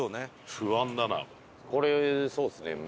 これそうですね。